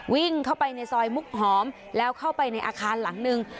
วิ่งเข้าไปในซอยมุกหอมแล้วเข้าไปในอาคารหลังหนึ่ง